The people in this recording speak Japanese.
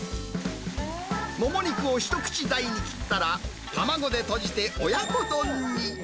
もも肉を一口大に切ったら、卵でとじて親子丼に。